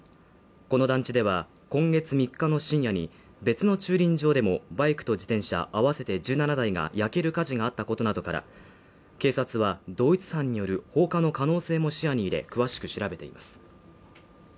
この団地では、今月３日の深夜に別の駐輪場でもバイクと自転車、合わせて１７台が焼ける火事があったことなどから、警察は同一犯による放火の可能性も視野に入れ詳しく調べています。